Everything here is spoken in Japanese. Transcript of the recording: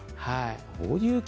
はい。